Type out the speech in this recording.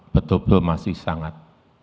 betul betul masih sangat